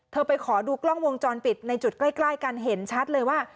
ไปขอดูกล้องวงจรปิดในจุดใกล้กันเห็นชัดเลยว่า